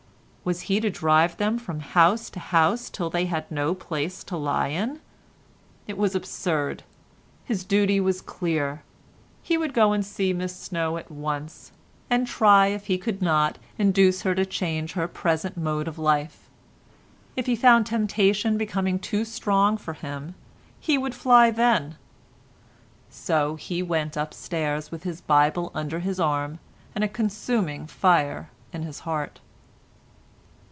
Was he to drive them from house to house till they had no place to lie in? It was absurd; his duty was clear: he would go and see Miss Snow at once, and try if he could not induce her to change her present mode of life; if he found temptation becoming too strong for him he would fly then—so he went upstairs with his Bible under his arm, and a consuming fire in his heart.